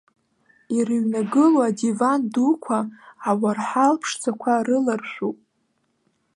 Ирыҩнагылоу адиван дуқәа ауарҳал ԥшӡақәа рыларшәуп.